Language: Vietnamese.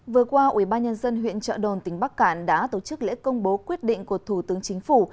vừa qua ubnd huyện trợ đồn tỉnh bắc cạn đã tổ chức lễ công bố quyết định của thủ tướng chính phủ